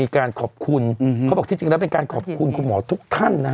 การขอบคุณเขาบอกที่จริงแล้วเป็นการขอบคุณคุณหมอทุกท่านนะฮะ